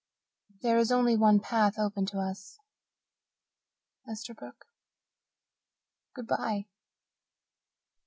There is only one path open to us. Esterbrook, good bye."